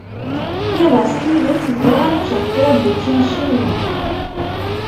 Iḍ-a s tidet bɣiɣ ad ččeɣ kra n wučči n Ccinwa.